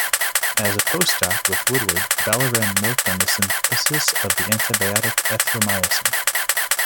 As a postdoc with Woodword, Balaram worked on the synthesis of the antibiotic erythromycin.